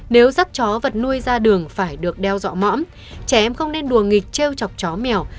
nếu dắt chó vật nuôi ra đường phải được đeo dọa mõm trẻ em không nên đùa nghịch treo chọc chó mèo